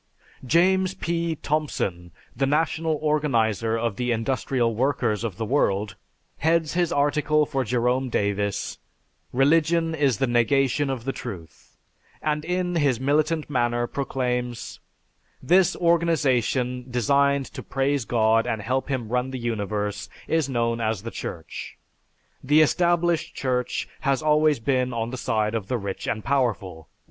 James P. Thompson, the national organizer of the Industrial Workers of the World, heads his article for Jerome Davis, "Religion is the Negation of the Truth," and in his militant manner proclaims "This organization designed to praise God and help him run the universe is known as the Church. The established Church has always been on the side of the rich and powerful.